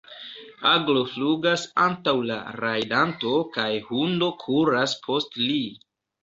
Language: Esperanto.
Aglo flugas antaŭ la rajdanto kaj hundo kuras post li.